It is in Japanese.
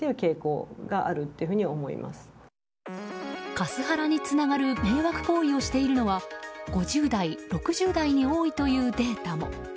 カスハラにつながる迷惑行為をしているのは５０代、６０代に多いというデータも。